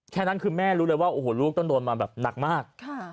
แค่นั้นคือแม่รู้เลยว่าโอ้โหลูกต้องโดนมาแบบหนักมาก